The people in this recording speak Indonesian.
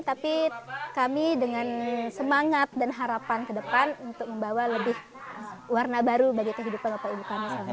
tapi kami dengan semangat dan harapan ke depan untuk membawa lebih warna baru bagi kehidupan bapak ibu kami selama ini